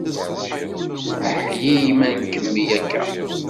Aḥlil ma nkemmel akka!